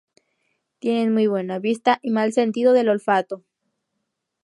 Tienen muy buena vista y mal sentido del olfato.